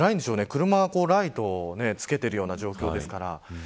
車もライトをつけているような状況です。